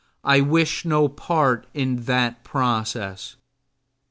I wish no part in that process.